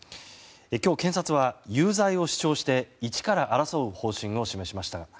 今日検察は有罪を主張して一から争う方針を示しました。